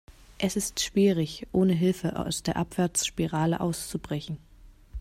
Es ist schwierig, ohne Hilfe aus der Abwärtsspirale auszubrechen.